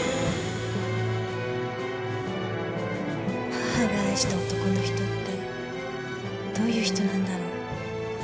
母が愛した男の人ってどういう人なんだろう？